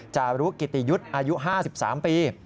จารุกิติยุทธ์อายุ๕๓ปี